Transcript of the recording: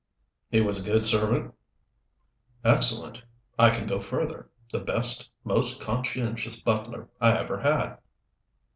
"He was a good servant?" "Excellent. I can go further. The best, most conscientious butler I ever had."